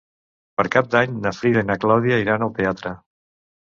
Per Cap d'Any na Frida i na Clàudia iran al teatre.